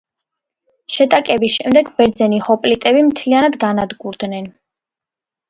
შეტაკების შემდეგ ბერძენი ჰოპლიტები მთლიანად განადგურდნენ.